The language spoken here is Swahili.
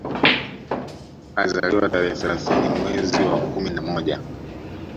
Alizaliwa tarehe thelathini mwezi wa kumi na moja